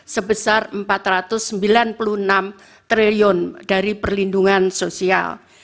sebesar rp empat ratus sembilan puluh enam triliun dari perlindungan sosial